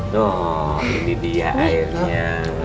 dung ini dia airnya